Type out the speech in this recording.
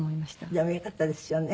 でもよかったですよね。